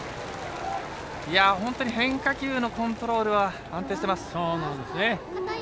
変化球のコントロールは安定しています。